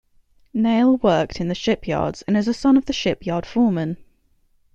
Nail worked in the shipyards and is the son of a shipyard foreman.